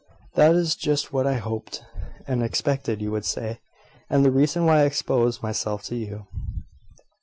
"That is just what I hoped and expected you would say, and the reason why I exposed myself to you."